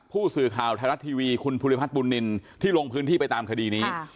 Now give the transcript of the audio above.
ผู้สื่อข่าวไทยรัฐทีวีคุณภูริพัฒนบุญนินที่ลงพื้นที่ไปตามคดีนี้